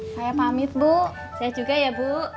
saya pamit bu sehat juga ya bu